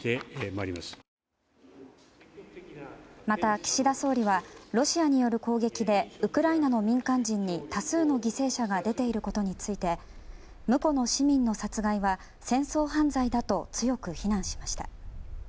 また、岸田総理はロシアによる攻撃でウクライナの民間人に多数の犠牲者が出ていることについて無辜の市民の殺害は戦争犯罪だと強く非難しました。